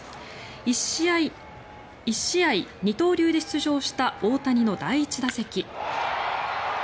１試合、二刀流で出場した大谷の第１打席。